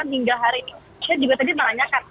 hingga hari ini saya juga tadi menanyakan